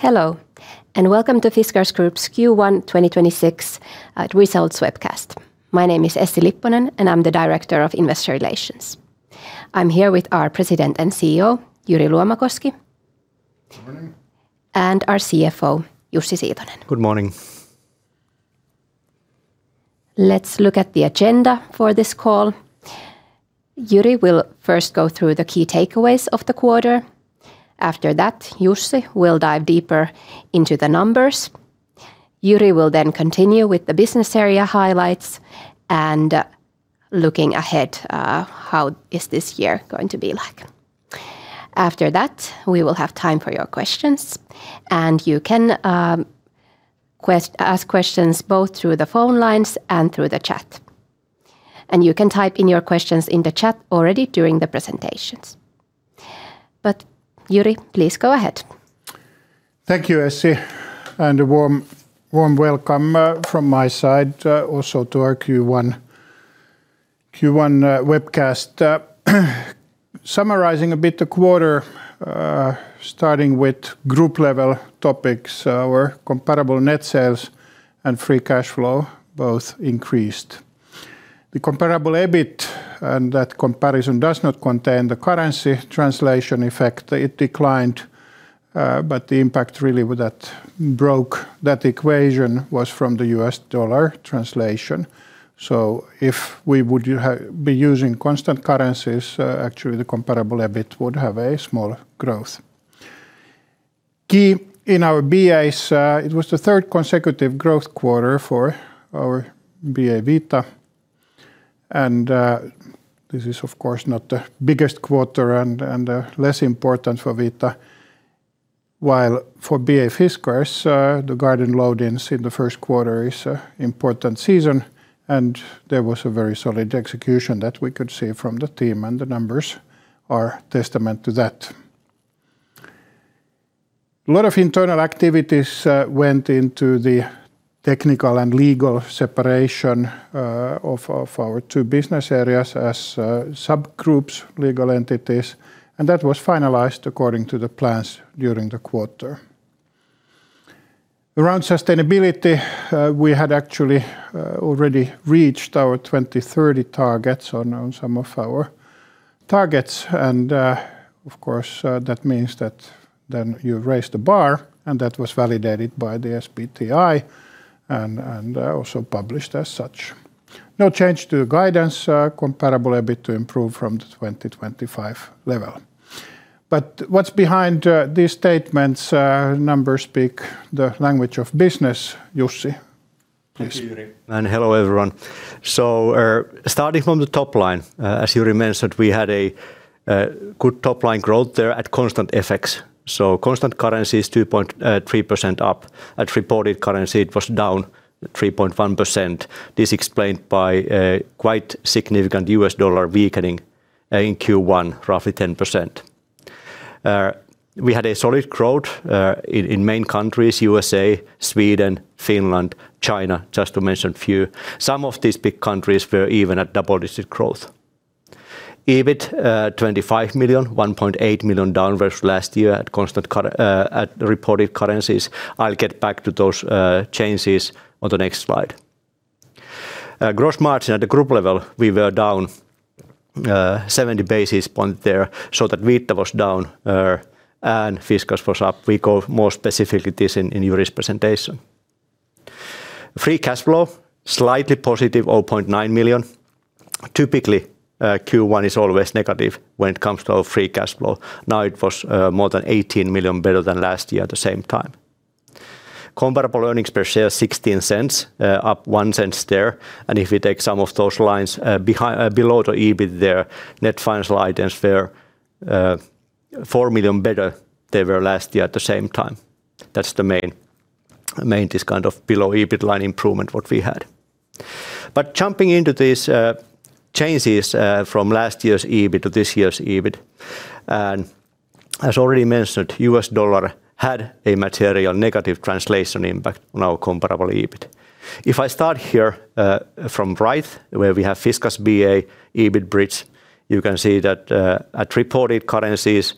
Hello, and welcome to Fiskars Group's Q1 2026 results webcast. My name is Essi Lipponen, and I'm the Director of Investor Relations. I'm here with our President and CEO, Jyri Luomakoski. Good morning. our CFO, Jussi Siitonen. Good morning. Let's look at the agenda for this call. Jyri will first go through the key takeaways of the quarter. After that, Jussi will dive deeper into the numbers. Jyri will then continue with the business area highlights and looking ahead at what this year is going to be like. After that, we will have time for your questions. You can ask questions both through the phone lines and through the chat. You can type in your questions in the chat already during the presentations. Jyri, please go ahead. Thank you, Essi, and a warm welcome from my side also to our Q1 webcast. Summarizing a bit, the quarter, starting with group-level topics, our comparable net sales and free cash flow both increased. The comparable EBIT and that comparison does not contain the currency translation effect. It declined, but the impact really that broke that equation was from the U.S. dollar translation. If we would be using constant currencies, actually, the comparable EBIT would have a smaller growth. Key in our BAs, it was the third consecutive growth quarter for our BA Vita, and this is of course not the biggest quarter and less important for Vita. While for BA Fiskars, the garden load-ins in the first quarter is an important season, and there was a very solid execution that we could see from the team, and the numbers are testament to that. A lot of internal activities went into the technical and legal separation of our two business areas as subgroups, legal entities, and that was finalized according to the plans during the quarter. Around sustainability, we had actually already reached our 2030 targets on some of our targets, and, of course, that means that then you raise the bar, and that was validated by the SBTi and also published as such. No change to the guidance, comparable EBIT to improve from the 2025 level. What's behind these statements? Numbers speak the language of business. Jussi, please. Thank you, Jyri, and hello, everyone. Starting from the top line, as Jyri mentioned, we had a good top-line growth there at constant FX. Constant currency is 2.3% up. At reported currency, it was down 3.1%. This is explained by quite significant US dollar weakening in Q1, roughly 10%. We had a solid growth in main countries U.S., Sweden, Finland, China, just to mention a few. Some of these big countries were even at double-digit growth. EBIT, 25 million, 1.8 million down versus last year at reported currencies. I'll get back to those changes on the next slide. Gross margin at the group level, we were down 70 basis points there, so that Vita was down and Fiskars was up. We go more specific with this in Jyri's presentation. Free cash flow, slightly positive, 0.9 million. Typically, Q1 is always negative when it comes to free cash flow. Now it was more than 18 million better than last year at the same time. Comparable earnings per share, 0.16, up 0.01 there. If we take some of those lines below the EBIT there, net financial items were 4 million better than they were last year at the same time. That's the main kind of below EBIT line improvement that we had. Jumping into these changes from last year's EBIT to this year's EBIT, and as already mentioned, U.S. dollar had a material negative translation impact on our comparable EBIT. If I start here from right, where we have Fiskars BA EBIT bridge, you can see that at reported currencies,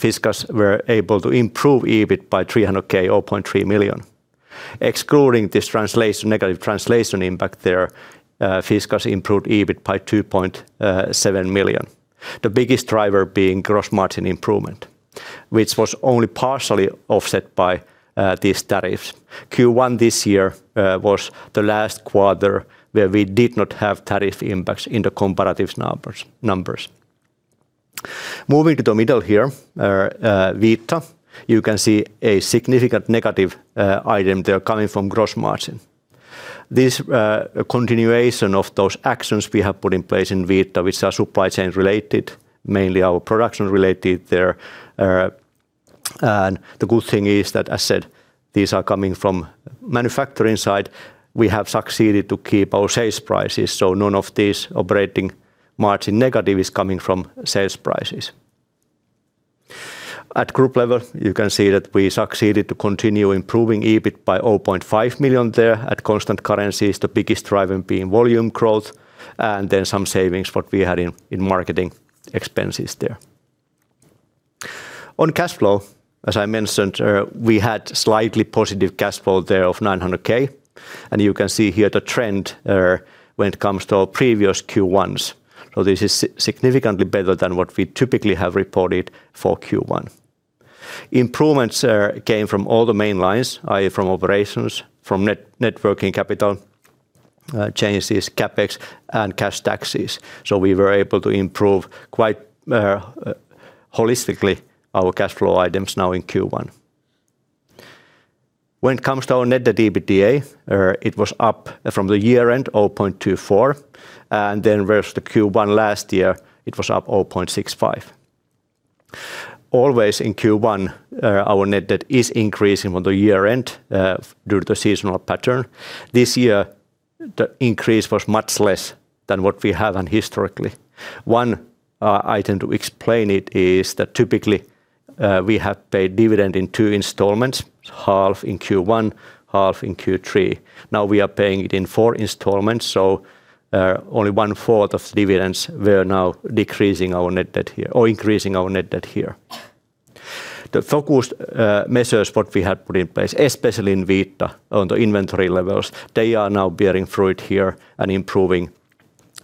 Fiskars were able to improve EBIT by 0.3 million. Excluding this negative translation impact there, Fiskars improved EBIT by 2.7 million. The biggest driver being gross margin improvement, which was only partially offset by these tariffs. Q1 this year was the last quarter where we did not have tariff impacts in the comparative numbers. Moving to the middle here, Vita, you can see a significant negative item there coming from gross margin. This continuation of those actions we have put in place in Vita, which are supply chain related, mainly our production related there. The good thing is that as said, these are coming from manufacturing side. We have succeeded to keep our sales prices, so none of this operating margin negative is coming from sales prices. At group level, you can see that we succeeded to continue improving EBIT by 0.5 million there at constant currencies, the biggest driver being volume growth and then some savings that we had in marketing expenses there. On cash flow, as I mentioned, we had slightly positive cash flow there of 900,000, and you can see here the trend when it comes to our previous Q1s. This is significantly better than what we typically have reported for Q1. Improvements came from all the main lines, from operations, from net working capital changes, CapEx and cash taxes. We were able to improve quite holistically our cash flow items now in Q1. When it comes to our net debt to EBITDA, it was up from the year-end 0.24 and then versus the Q1 last year it was up 0.65. Always in Q1 our net debt is increasing from the year-end due to the seasonal pattern. This year, the increase was much less than what we have done historically. One item to explain it is that typically we have paid dividend in two installments, half in Q1, half in Q3. Now we are paying it in four installments, so only one-fourth of dividends were now increasing our net debt here. The focused measures that we had put in place, especially in Vita on the inventory levels. They are now bearing fruit here and improving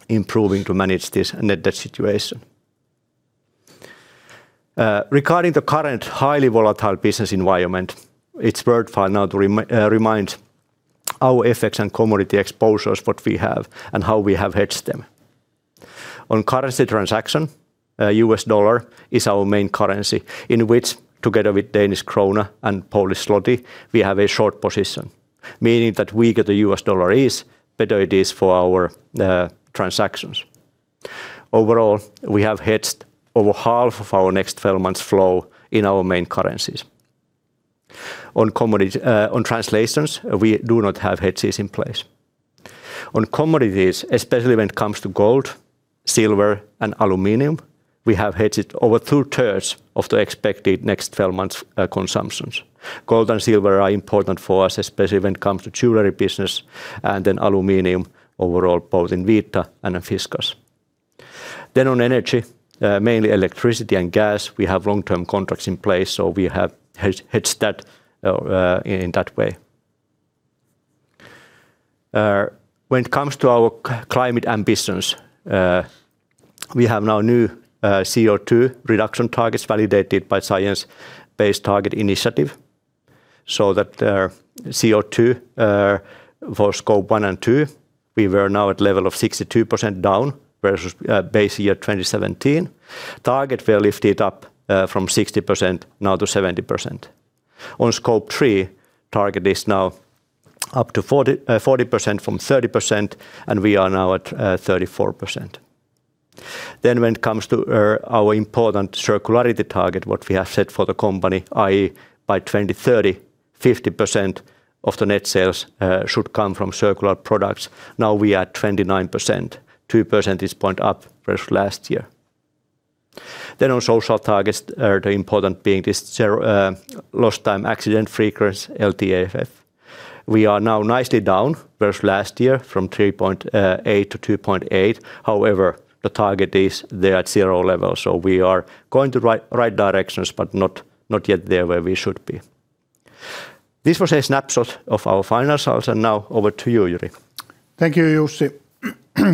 to manage this net debt situation. Regarding the current highly volatile business environment, it's worthwhile now to remind of our FX and commodity exposures, what we have and how we have hedged them. On currency transaction, U.S. dollar is our main currency in which, together with Danish krone and Polish zloty, we have a short position, meaning that weaker the U.S. dollar is, better it is for our transactions. Overall, we have hedged over half of our next 12 months' flow in our main currencies. On translations, we do not have hedges in place. On commodities, especially when it comes to gold, silver, and aluminum, we have hedged over two-thirds of the expected next 12 months consumptions. Gold and silver are important for us, especially when it comes to jewelry business and then aluminum overall, both in Vita and in Fiskars. On energy, mainly electricity and gas, we have long-term contracts in place, so we have hedged that in that way. When it comes to our climate ambitions, we have now new CO2 reduction targets validated by Science Based Targets initiative, so that CO2 for Scope 1 and 2, we were now at level of 62% down versus base year 2017. Target were lifted up from 60% now to 70%. On Scope 3, target is now up to 40% from 30% and we are now at 34%. When it comes to our important circularity target, what we have set for the company, i.e., by 2030, 50% of the net sales should come from circular products. Now we are at 29%, two percentage points up versus last year. On social targets, the important one being this lost time injury frequency, LTIFR. We are now nicely down versus last year from 3.8 to 2.8. However, the target is there at zero level, so we are going to right directions but not yet there where we should be. This was a snapshot of our financials and now over to you, Jyri. Thank you, Jussi.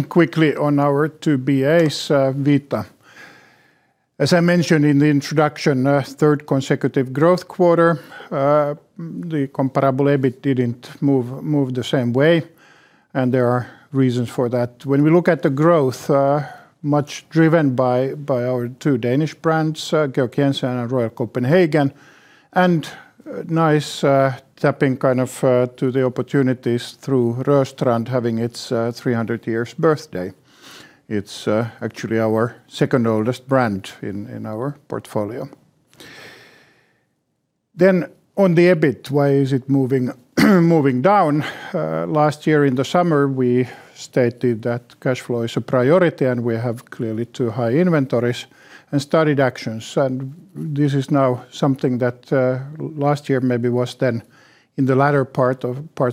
Quickly on our two BAs, Vita. As I mentioned in the introduction, third consecutive growth quarter, the comparable EBIT didn't move the same way, and there are reasons for that. When we look at the growth, much driven by our two Danish brands, Georg Jensen and Royal Copenhagen, and nice tapping kind of to the opportunities through Rörstrand having its 300 years birthday. It's actually our second oldest brand in our portfolio. Then on the EBIT, why is it moving down? Last year in the summer, we stated that cash flow is a priority and we have clearly too high inventories, and started actions. This is now something that last year maybe was then in the latter parts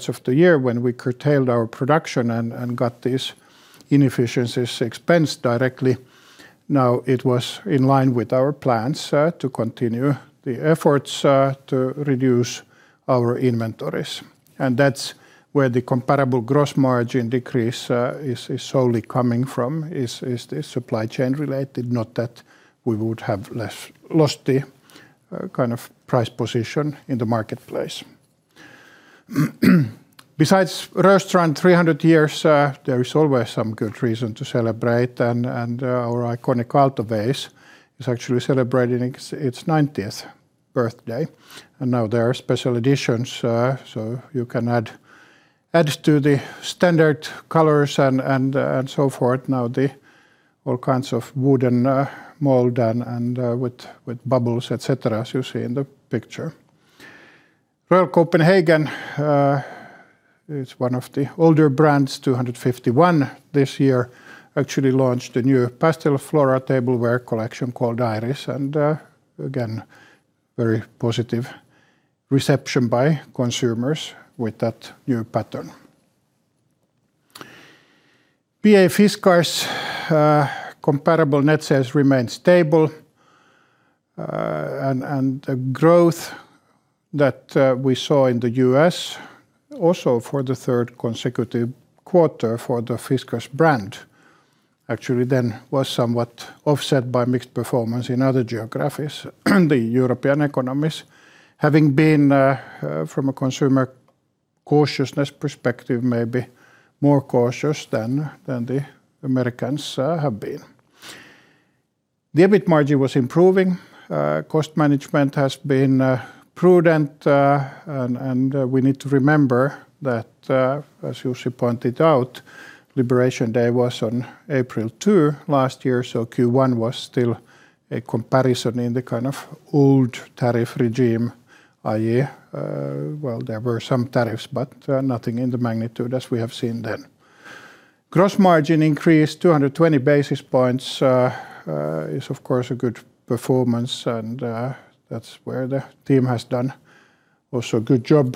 of the year when we curtailed our production and got these inefficiencies expensed directly. Now it was in line with our plans to continue the efforts to reduce our inventories. That's where the comparable gross margin decrease is solely coming from, is the supply chain related, not that we would have lost the kind of price position in the marketplace. Besides Rörstrand 300 years, there is always some good reason to celebrate, and our iconic Aalto Vase is actually celebrating its 90th birthday, and now there are special editions, so you can add to the standard colors and so forth. Now the all kinds of wooden mold and with bubbles, et cetera, as you see in the picture. Royal Copenhagen, it's one of the older brands, 251 this year, actually launched a new pastel floral tableware collection called Iris, and again, very positive reception by consumers with that new pattern. BA Fiskars' comparable net sales remained stable, and the growth that we saw in the U.S. also for the third consecutive quarter for the Fiskars brand, actually then was somewhat offset by mixed performance in other geographies, the European economies, having been, from a consumer cautiousness perspective, maybe more cautious than the Americans have been. The EBIT margin was improving. Cost management has been prudent. We need to remember that, as Jussi pointed out, uncertain was on April 2 last year, so Q1 was still a comparison in the kind of old tariff regime, i.e., well, there were some tariffs, but nothing in the magnitude as we have seen then. Gross margin increased 220 basis points, is of course a good performance, and that's where the team has done also a good job,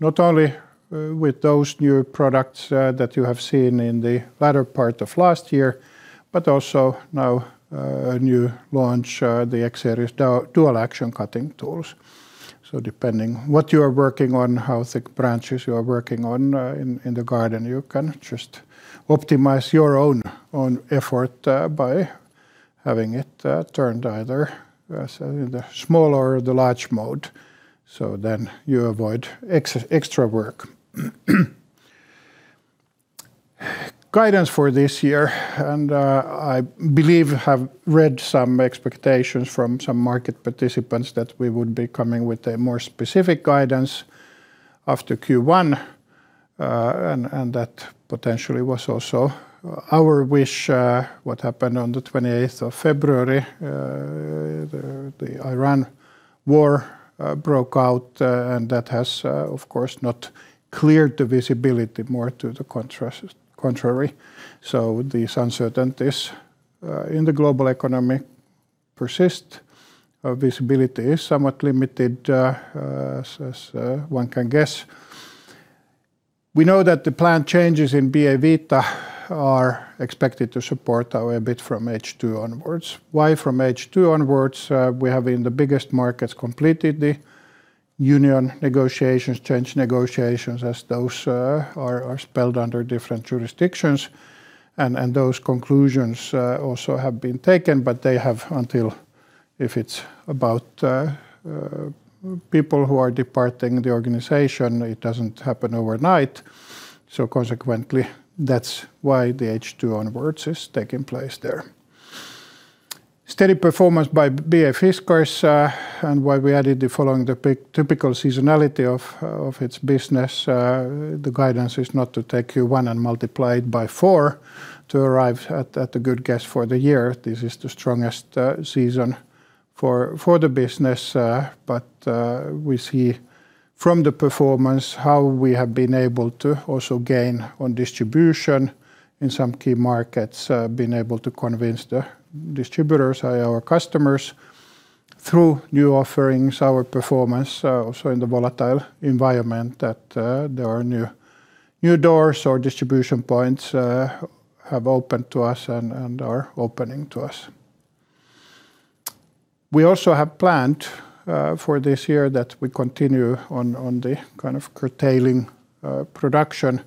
not only with those new products that you have seen in the latter part of last year, but also now a new launch, the X-Series DualAction cutting tools. Depending on what you are working on, how thick branches you are working on in the garden, you can just optimize your own effort by having it turned either in the small or the large mode, so then you avoid extra work. Guidance for this year, and I believe I have read some expectations from some market participants that we would be coming with a more specific guidance after Q1, and that potentially was also our wish. What happened on the February 28, the Iran war broke out, and that has, of course, not cleared the visibility more to the contrary. These uncertainties in the global economy persist. Visibility is somewhat limited, as one can guess. We know that the planned changes in BA Vita are expected to support our EBIT from H2 onwards. Why from H2 onwards? We have in the biggest markets completed the union negotiations, change negotiations as those are spelled under different jurisdictions. Those conclusions also have been taken, but they have until... If it's about people who are departing the organization, it doesn't happen overnight. Consequently, that's why the H2 onwards is taking place there. Steady performance by BA Fiskars, and why we added the following, the typical seasonality of its business. The guidance is not to take Q1 and multiply it by four to arrive at a good guess for the year. This is the strongest season for the business. We see from the performance how we have been able to also gain on distribution in some key markets, been able to convince the distributors, i.e. our customers, through new offerings, our performance also in the volatile environment, that there are new doors or distribution points have opened to us and are opening to us. We also have planned for this year that we continue on the kind of curtailing production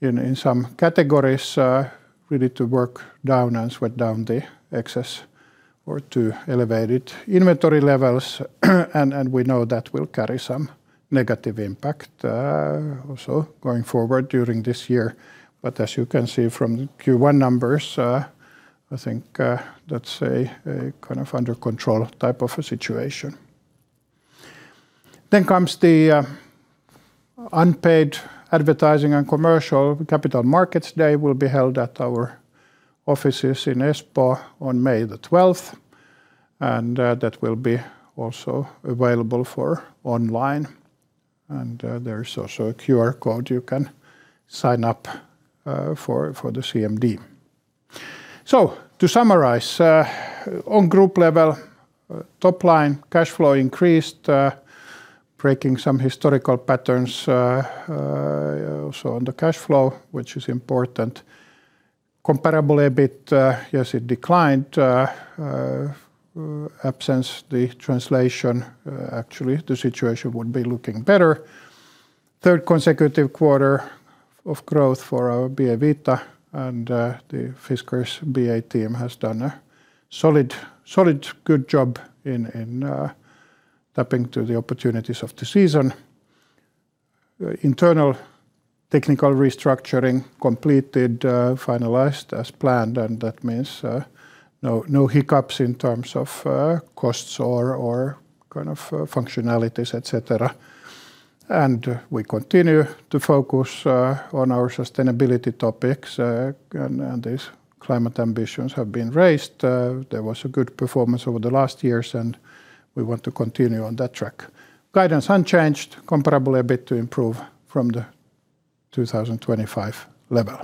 in some categories, really to work down and sweat down the excess or too elevated inventory levels. We know that will carry some negative impact also going forward during this year. As you can see from the Q1 numbers, I think that's a kind of under control type of a situation. Comes the update on advertising and commercial. Capital Markets Day will be held at our offices in Espoo on May 12, and that will also be available online. There's also a QR code you can sign up for the CMD. To summarize, on group level, top line cash flow increased, breaking some historical patterns also on the cash flow, which is important. Comparable EBIT, yes, it declined. Absent the translation, actually, the situation would be looking better. Third consecutive quarter of growth for our BA, and the Fiskars BA team has done a solid good job in tapping into the opportunities of the season. Internal technical restructuring completed, finalized as planned, and that means no hiccups in terms of costs or kind of functionalities, et cetera. We continue to focus on our sustainability topics, and these climate ambitions have been raised. There was a good performance over the last years, and we want to continue on that track. Guidance unchanged, comparable EBIT to improve from the 2025 level.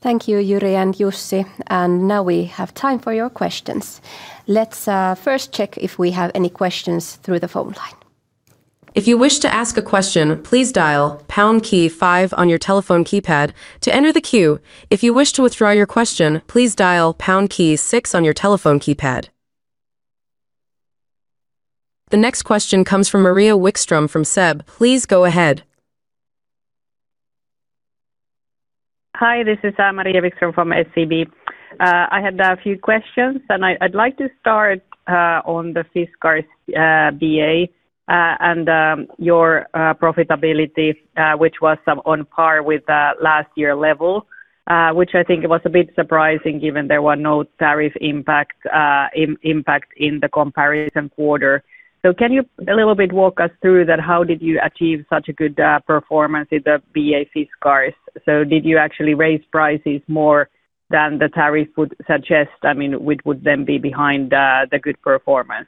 Thank you, Jyri and Jussi. Now we have time for your questions. Let's first check if we have any questions through the phone line. The next question comes from Maria Wikström from SEB Group. Please go ahead. Hi, this is Maria Wikström from SEB. I had a few questions and I'd like to start on the Fiskars BA and your profitability which was on par with last year level, which I think it was a bit surprising given there were no tariff impacts in the comparison quarter. Can you a little bit walk us through that, how did you achieve such a good performance in the BA Fiskars? Did you actually raise prices more than the tariff would suggest? I mean, would then be behind the good performance.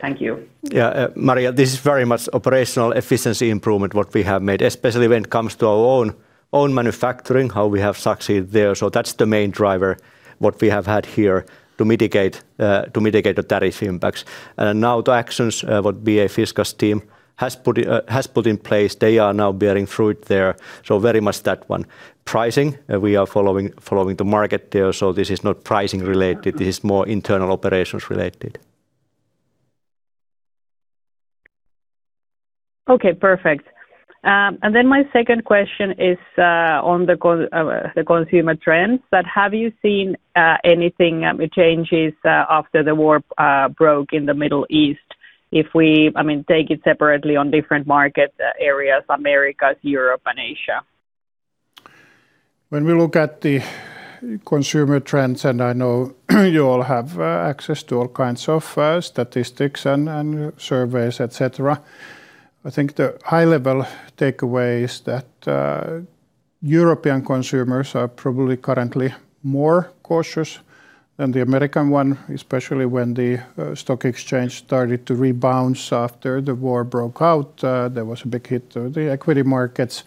Thank you. Yeah, Maria, this is very much operational efficiency improvement, what we have made, especially when it comes to our own manufacturing, how we have succeeded there. That's the main driver, what we have had here to mitigate the tariff impacts. Now the actions what BA Fiskars team has put in place, they are now bearing fruit there. Very much that one. Pricing, we are following the market there. This is not pricing related, this is more internal operations related. Okay, perfect. My second question is on the consumer trends. Have you seen any changes after the war broke out in the Middle East? If we take it separately on different market areas, Americas, Europe, and Asia. When we look at the consumer trends, and I know you all have access to all kinds of statistics and surveys, et cetera. I think the high-level takeaway is that European consumers are probably currently more cautious than the American one, especially when the stock exchange started to rebound after the war broke out. There was a big hit to the equity markets.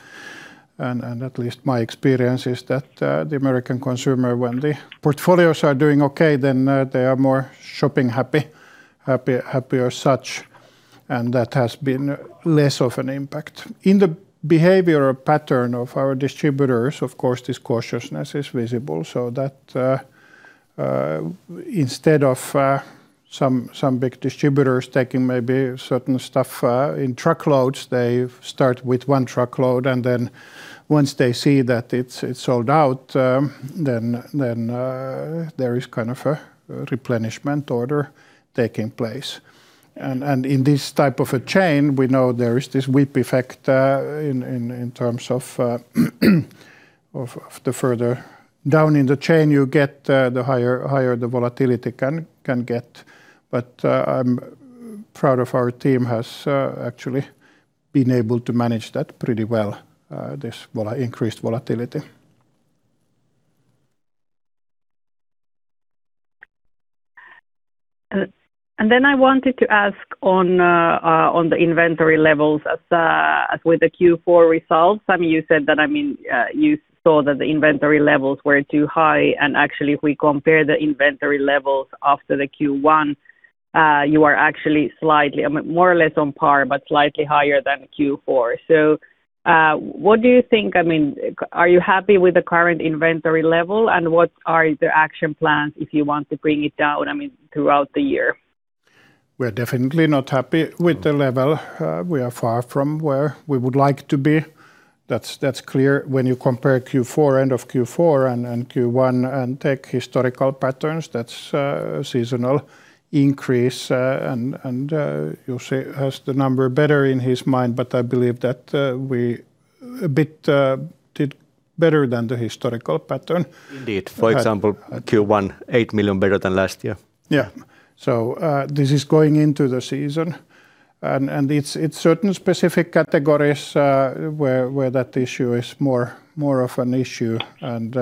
At least my experience is that the American consumer, when the portfolios are doing okay, then they are more shopping happy or such. That has been less of an impact. In the behavioral pattern of our distributors, of course, this cautiousness is visible, so that instead of some big distributors taking maybe certain stuff in truckloads, they start with one truckload, and then once they see that it's sold out, then there is kind of a replenishment order taking place. In this type of a chain, we know there is this bullwhip effect in terms of the further down in the chain you get, the higher the volatility can get. I'm proud of our team has actually been able to manage that pretty well, this increased volatility. I wanted to ask on the inventory levels as with the Q4 results. You said that you saw that the inventory levels were too high, and actually, if we compare the inventory levels after the Q1, you are actually more or less on par, but slightly higher than Q4. What do you think? Are you happy with the current inventory level, and what are the action plans if you want to bring it down throughout the year? We're definitely not happy with the level. We are far from where we would like to be. That's clear when you compare end of Q4 and Q1 and take historical patterns, that's a seasonal increase. Jussi has the number better in his mind, but I believe that we did a bit better than the historical pattern. Indeed. For example, Q1, 8 million better than last year. Yeah. This is going into the season. It's certain specific categories where that issue is more of an issue and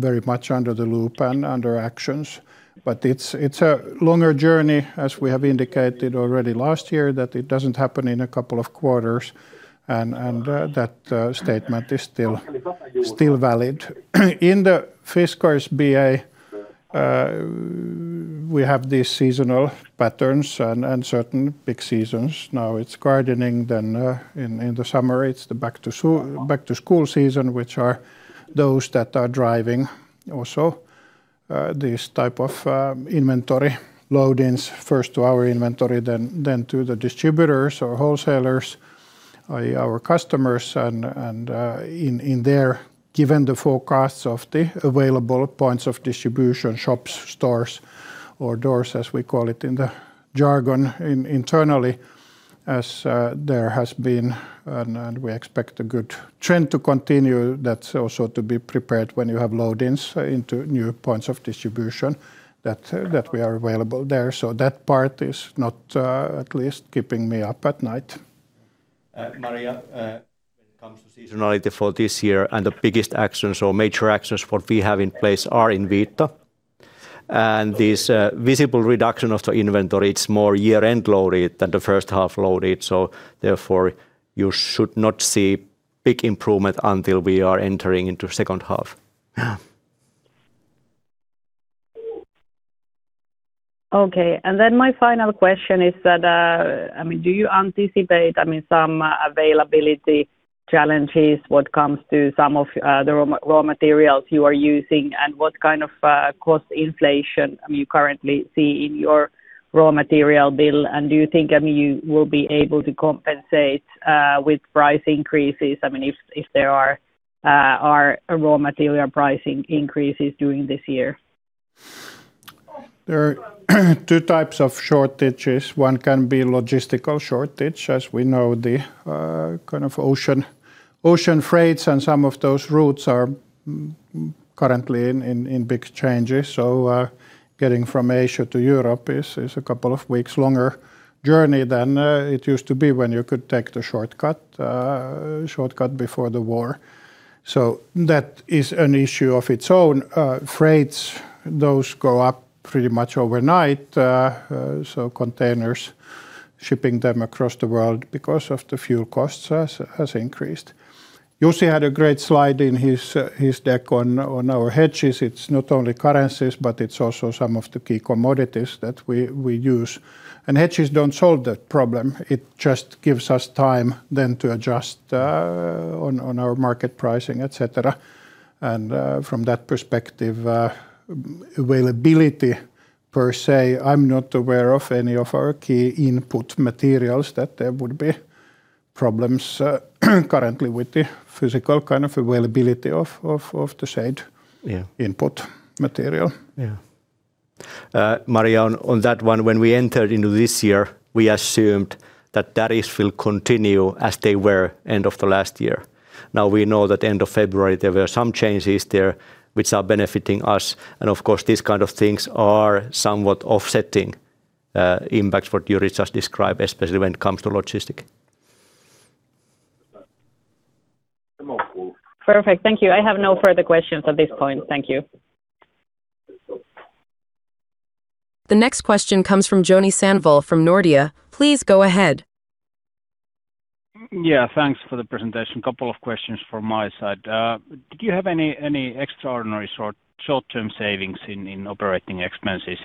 very much under the loop and under actions. It's a longer journey, as we have indicated already last year, that it doesn't happen in a couple of quarters. That statement is still valid. In the Fiskars BA, we have these seasonal patterns and certain big seasons. Now it's gardening, then in the summer, it's the back-to-school season, which are those that are driving also this type of inventory load-ins, first to our inventory, then to the distributors or wholesalers, our customers. In there, given the forecasts of the available points of distribution, shops, stores, or doors, as we call it in the jargon internally, as there has been and we expect a good trend to continue. That's also to be prepared when you have load-ins into new points of distribution, that we are available there. That part is not at least keeping me up at night. Maria, when it comes to seasonality for this year and the biggest actions or major actions what we have in place are in Vita. This visible reduction of the inventory, it's more year-end loaded than the first half loaded. Therefore, you should not see big improvement until we are entering into the second half. Okay. My final question is that, do you anticipate some availability challenges when it comes to some of the raw materials you are using? What kind of cost inflation you currently see in your raw material bill? Do you think you will be able to compensate with price increases if there are raw material pricing increases during this year? There are two types of shortages. One can be logistical shortage. As we know, the ocean freights and some of those routes are currently in big changes. Getting from Asia to Europe is a couple of weeks longer journey than it used to be when you could take the shortcut before the war. That is an issue of its own. Freights, those go up pretty much overnight. Containers, shipping them across the world because of the fuel costs has increased. Jussi had a great slide in his deck on our hedges. It's not only currencies, but it's also some of the key commodities that we use. Hedges don't solve that problem. It just gives us time then to adjust on our market pricing, et cetera. From that perspective, availability per se, I'm not aware of any of our key input materials that there would be problems currently with the physical kind of availability of the said. Yeah input material. Yeah. Maria, on that one, when we entered into this year, we assumed that that will continue as they were at the end of the last year. Now, we know that at the end of February, there were some changes there which are benefiting us. Of course, these kind of things are somewhat offsetting the impacts that Jyri just described, especially when it comes to logistics. Perfect. Thank you. I have no further questions at this point. Thank you. The next question comes from Joni Sandvall from Nordea. Please go ahead. Yeah. Thanks for the presentation. Couple of questions from my side. Do you have any extraordinary short-term savings in operating expenses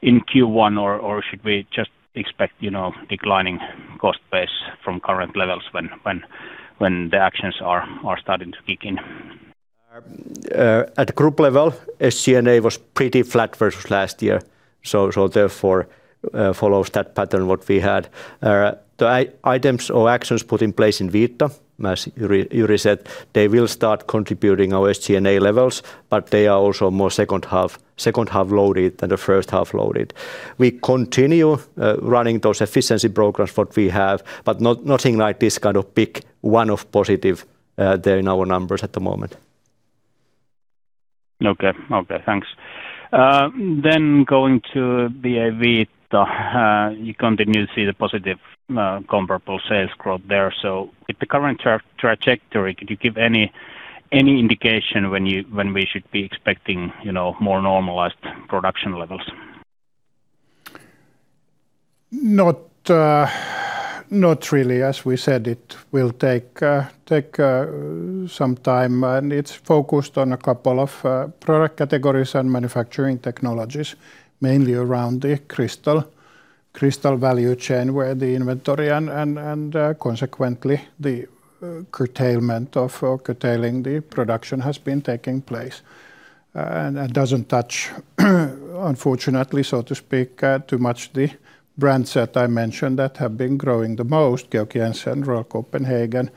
in Q1, or should we just expect declining cost base from current levels when the actions are starting to kick in? At group level, SG&A was pretty flat versus last year, so therefore it follows that pattern that we had. The items or actions put in place in Vita, as Jyri said, they will start contributing to our SG&A levels, but they are also more second half loaded than the first half loaded. We continue running those efficiency programs that we have, but nothing like this kind of big one-off positive there in our numbers at the moment. Okay. Thanks. Going to the Vita. You continue to see the positive comparable sales growth there. With the current trajectory, could you give any indication when we should be expecting more normalized production levels? Not really. As we said, it will take some time, and it's focused on a couple of product categories and manufacturing technologies, mainly around the crystal value chain, where the inventory and consequently, curtailing the production has been taking place. It doesn't touch unfortunately, so to speak, too much the brands that I mentioned that have been growing the most, Georg Jensen, Royal Copenhagen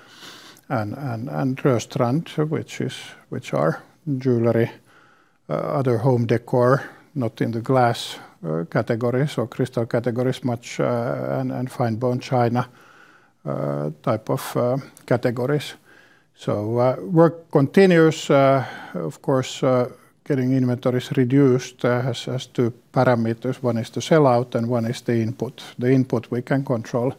and Rörstrand, which are jewelry, other home decor, not in the glass categories or crystal categories much, and fine bone china type of categories. Work continues. Of course, getting inventories reduced has two parameters. One is the sell-out, and one is the input. The input we can control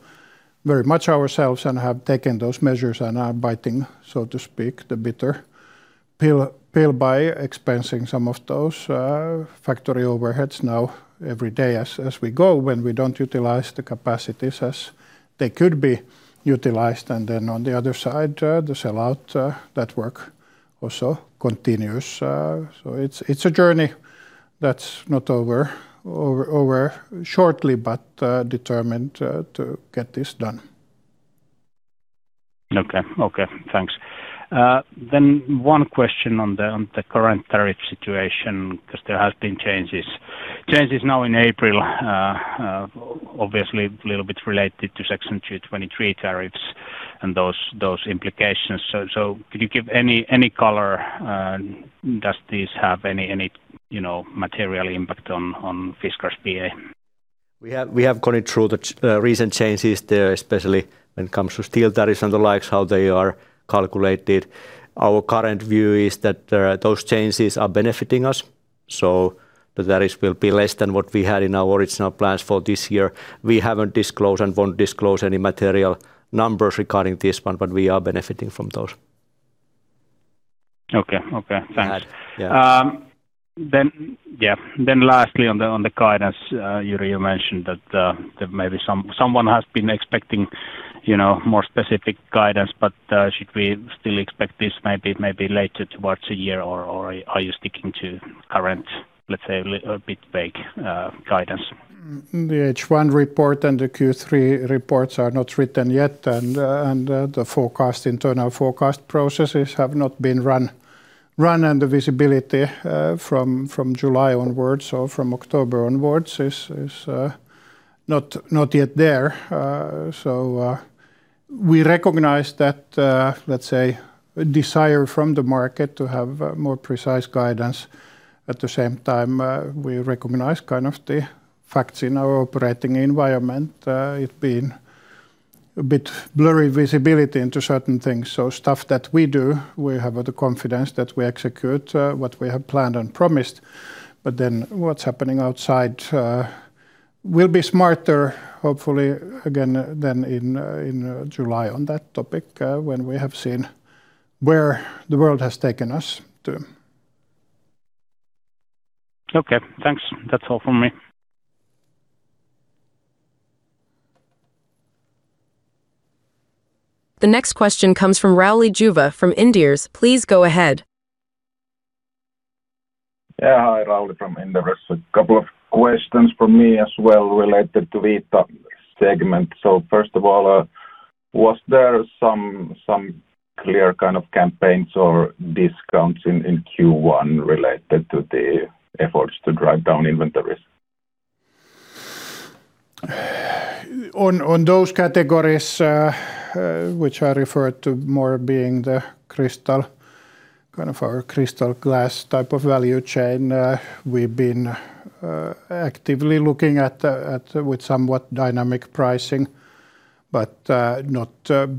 very much ourselves and have taken those measures and are biting, so to speak, the bitter pill by expensing some of those factory overheads now every day as we go when we don't utilize the capacities as they could be utilized. Then on the other side, the sell-out, that work also continues. It's a journey that's not over shortly, but determined to get this done. Okay. Thanks. One question on the current tariff situation, because there has been changes now in April, obviously a little bit related to Section 232 tariffs and those implications. Could you give any color? Does this have any material impact on Fiskars BA? We have gone through the recent changes there, especially when it comes to steel tariffs and the likes, how they are calculated. Our current view is that those changes are benefiting us, so the tariffs will be less than what we had in our original plans for this year. We haven't disclosed and won't disclose any material numbers regarding this one, but we are benefiting from those. Okay. Thanks. Yeah. Lastly on the guidance, Jyri, you mentioned that maybe someone has been expecting more specific guidance, but should we still expect this maybe later towards the year or are you sticking to current, let's say, a little bit vague guidance? The H1 report and the Q3 reports are not written yet, and the internal forecast processes have not been run, and the visibility from July onwards or from October onwards is not yet there. We recognize that, let's say, desire from the market to have more precise guidance. At the same time, we recognize kind of the facts in our operating environment. It's been a bit blurry visibility into certain things. Stuff that we do, we have the confidence that we execute what we have planned and promised. What's happening outside will be smarter, hopefully, again, than in July on that topic, when we have seen where the world has taken us to. Okay, thanks. That's all from me. The next question comes from Rauli Juva from Inderes Oyj. Please go ahead. Yeah. Hi, Rauli from Inderes Oyj. A couple of questions from me as well related to the Vita segment. First of all, was there some clear kind of campaigns or discounts in Q1 related to the efforts to drive down inventories? On those categories, which I refer to more being the kind of our crystal glass type of value chain, we've been actively looking at with somewhat dynamic pricing, but not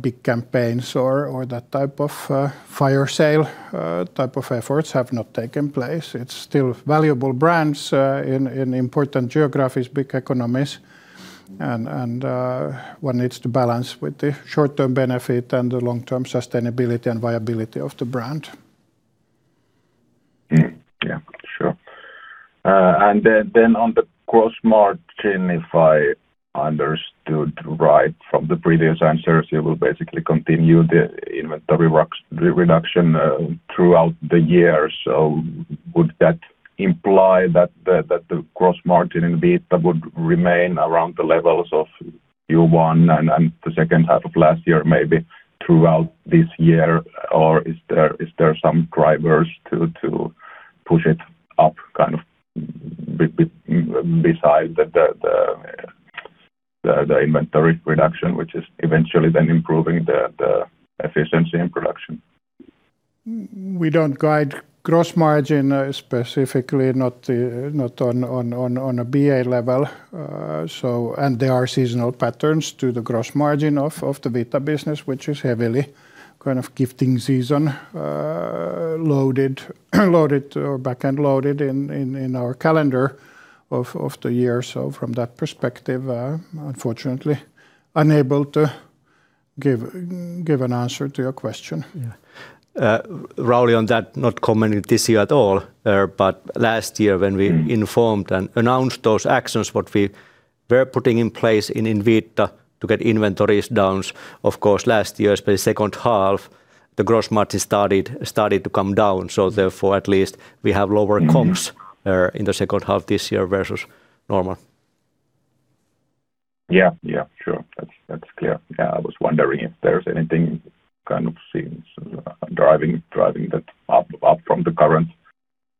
big campaigns or that type of fire sale type of efforts have not taken place. It's still valuable brands in important geographies, big economies. One needs to balance with the short-term benefit and the long-term sustainability and viability of the brand. Yeah. Sure. On the gross margin, if I understood right from the previous answers, you will basically continue the inventory reduction throughout the year. Would that imply that the gross margin in Vita would remain around the levels of Q1 and the second half of last year, maybe throughout this year? Is there some drivers to push it up, kind of besides the inventory reduction, which is eventually then improving the efficiency in production? We don't guide gross margin specifically, not on a BA level. There are seasonal patterns to the gross margin of the Vita business, which is heavily kind of gifting season back-end loaded in our calendar of the year. From that perspective, unfortunately unable to give an answer to your question. Yeah. Rauli, on that, not commenting this year at all, but last year when we informed and announced those actions, what we were putting in place in Vita to get inventories down. Of course, last year's second half, the gross margin started to come down. Therefore, at least we have lower comps in the second half this year versus normal. Yeah. Sure. That's clear. Yeah, I was wondering if there's anything kind of seems driving that up from the current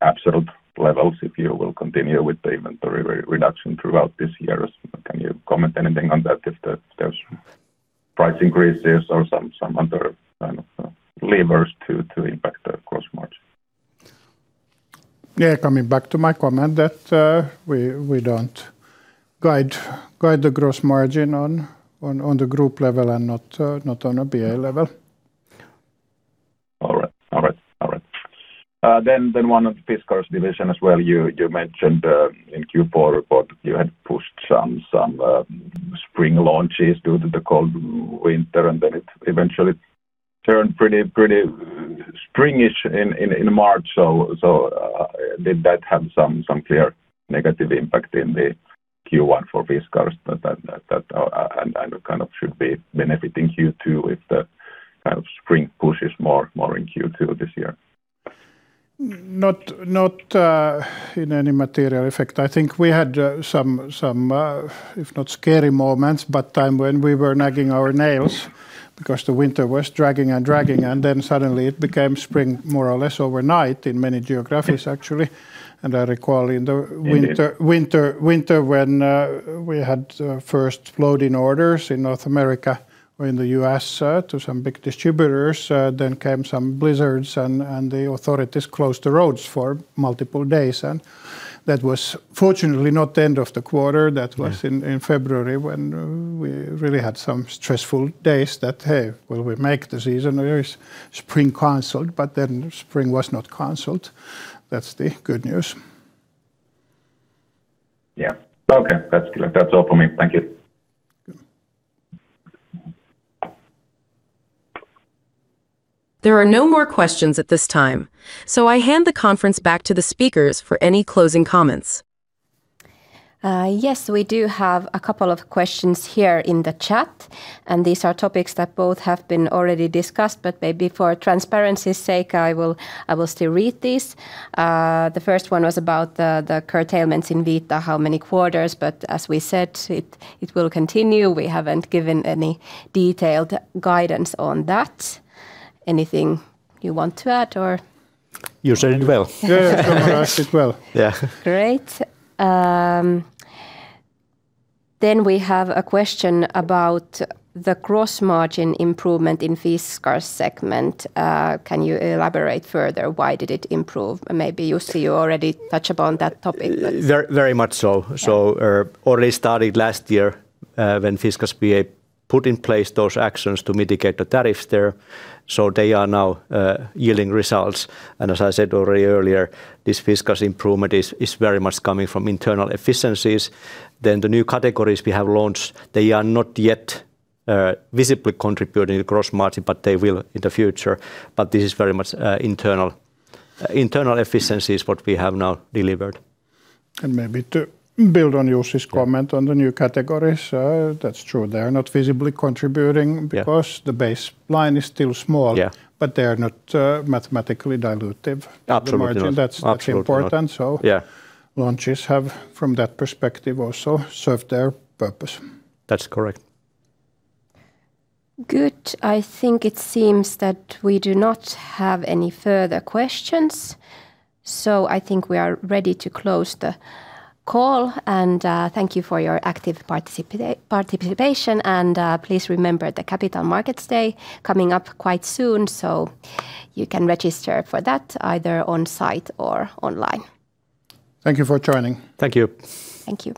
absolute levels, if you will continue with the inventory reduction throughout this year. Can you comment anything on that, if there's price increases or some other kind of levers to impact the gross margin? Yeah, coming back to my comment that we don't guide the gross margin on the group level and not on a BA level. All right. One of the Fiskars division as well, you mentioned in Q4 report you had pushed some spring launches due to the cold winter, and then it eventually turned pretty spring-ish in March. Did that have some clear negative impact in the Q1 for Fiskars? Kind of should be benefiting Q2 if the kind of spring push is more in Q2 this year. Not in any material effect. I think we had some, if not scary moments, but times when we were gnawing our nails because the winter was dragging and dragging, and then suddenly it became spring more or less overnight in many geographies, actually. Indeed Winter when we had first loading orders in North America, in the U.S., to some big distributors, then came some blizzards, and the authorities closed the roads for multiple days. That was fortunately not the end of the quarter. That was in February when we really had some stressful days that, "Hey, will we make the season or is spring canceled?" Then spring was not canceled. That's the good news. Yeah. Okay. That's all for me. Thank you. There are no more questions at this time, so I hand the conference back to the speakers for any closing comments. Yes, we do have a couple of questions here in the chat, and these are topics that both have been already discussed, but maybe for transparency's sake, I will still read these. The first one was about the curtailments in Vita, how many quarters, but as we said, it will continue. We haven't given any detailed guidance on that. Anything you want to add, or. Jussi said it well. Yeah. Timo asked it well. Yeah. Great. We have a question about the gross margin improvement in Fiskars segment. Can you elaborate further why did it improve? Maybe, Jussi, you already touch upon that topic, but Very much so. Yeah. Already started last year, when Fiskars BA put in place those actions to mitigate the tariffs there. They are now yielding results, and as I said already earlier, this Fiskars improvement is very much coming from internal efficiencies. The new categories we have launched, they are not yet visibly contributing to gross margin, but they will in the future. This is very much internal efficiency is what we have now delivered. Maybe to build on Jussi's comment on the new categories. That's true, they're not visibly contributing- Yeah because the baseline is still small. Yeah. They're not mathematically dilutive. Absolutely not. To the margin. That's important. Absolutely not. Yeah. Launches have, from that perspective, also served their purpose. That's correct. Good. I think it seems that we do not have any further questions, so I think we are ready to close the call. Thank you for your active participation. Please remember the Capital Markets Day coming up quite soon. You can register for that either on-site or online. Thank you for joining. Thank you. Thank you.